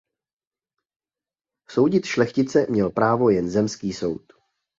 Soudit šlechtice měl právo jen zemský soud.